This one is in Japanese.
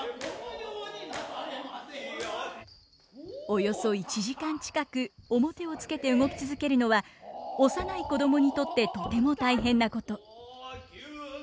およそ１時間近く面をつけて動き続けるのは幼い子供にとってとても大変なこと。